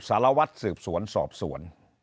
สารวัตรสืบสวนสอบสวน